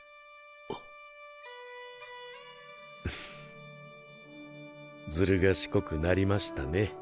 あずる賢くなりましたね